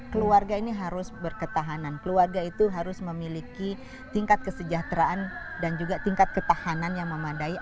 keluarga ini harus berketahanan keluarga itu harus memiliki tingkat kesejahteraan dan juga tingkat ketahanan yang memadai